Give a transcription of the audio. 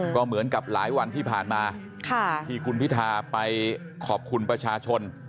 ก็เหมือนกับหลายวันที่ผ่านมาที่คุณพิธาไปขอบคุณประชาชน